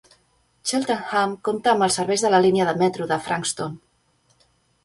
Cheltenham compta amb els serveis de la línia de metro de Frankston.